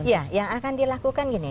ya yang akan dilakukan gini